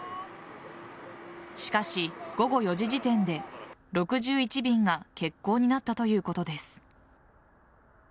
しかし、午後４時時点で６１便が欠航になったということです。